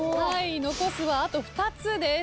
残すはあと２つです。